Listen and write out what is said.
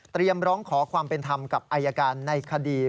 ร้องขอความเป็นธรรมกับอายการในคดี